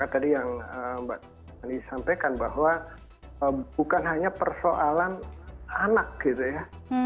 tadi yang mbak andi sampaikan bahwa bukan hanya persoalan anak gitu ya